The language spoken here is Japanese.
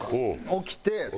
起きて。